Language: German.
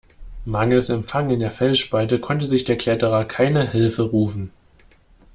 Mangels Empfang in der Felsspalte konnte sich der Kletterer keine Hilfe rufen.